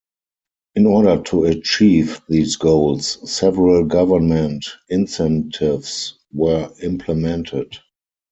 In order to achieve these goals several government incentives were implemented.